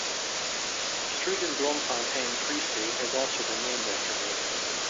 A street in Bloemfontein, Free State has also been named after her.